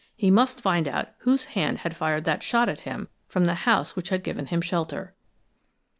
He must find out whose hand had fired that shot at him from the house which had given him shelter.